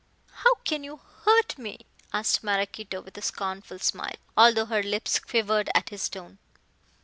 "How can you hurt me?" asked Maraquito with a scornful smile, although her lips quivered at his tone.